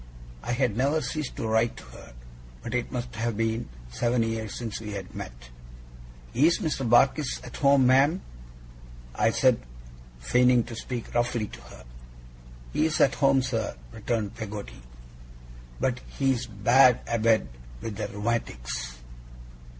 I had never ceased to write to her, but it must have been seven years since we had met. 'Is Mr. Barkis at home, ma'am?' I said, feigning to speak roughly to her. 'He's at home, sir,' returned Peggotty, 'but he's bad abed with the rheumatics.